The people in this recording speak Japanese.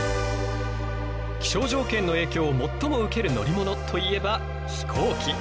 気象条件の影響を最も受ける乗り物といえば飛行機。